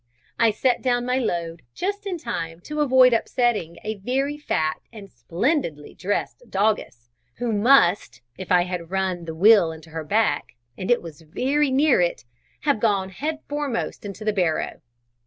I set down my load just in time to avoid upsetting a very fat and splendidly dressed doggess, who must, if I had run the wheel into her back, and it was very near it, have gone head foremost into the barrow.